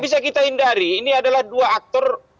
bisa kita hindari ini adalah dua aktor